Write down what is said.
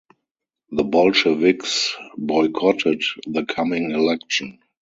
The Bolsheviks boycotted the coming election.